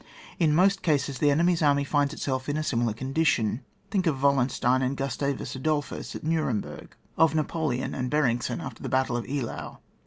In most cases, the enemy's army finds itself in a similar condition; think of Wallenstein and Gustavus Adolphus at Nuremberg, of Napoleon and Beuuingsen after the battle of Eylau.